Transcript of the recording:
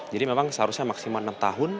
jadi memang seharusnya maksimal enam tahun